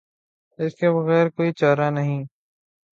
اس کے بغیر کوئی چارہ نہیں۔